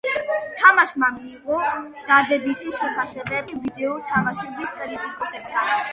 თამაშმა მიიღო დადებითი შეფასებები ვიდეო თამაშების კრიტიკოსებისგან.